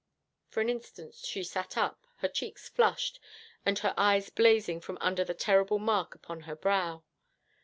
For an instant she sat up, her cheeks flushed, and her eyes blazing from under the terrible mark upon her brow.